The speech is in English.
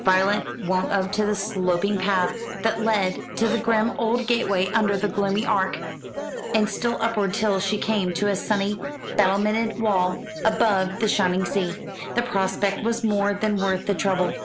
Violet went up the sloping path that led to the grim old gateway under the gloomy arch, and still upward till she came to a sunny battlemented wall above the shining sea. The prospect was more than worth the trouble.